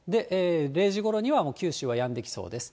０時ごろにはもう九州はやんできそうです。